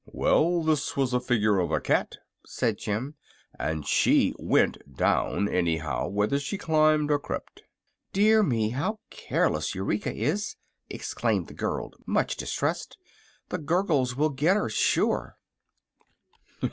"Well, this was a figure of a cat," said Jim, "and she went down, anyhow, whether she climbed or crept." "Dear me! how careless Eureka is," exclaimed the girl, much distressed. "The Gurgles will get her, sure!"